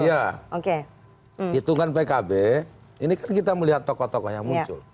iya hitungan pkb ini kan kita melihat tokoh tokoh yang muncul